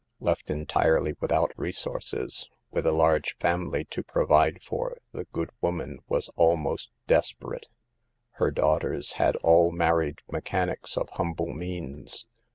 Left entirely without resources, with a large family to provide for, the good woman was almost desperate. Her daughters had all married mechanics of humble means.